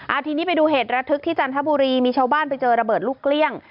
ทีนี้ไปดูเหตุระทึกที่จันทบุรีมีชาวบ้านไปเจอระเบิดลูกเกลี้ยง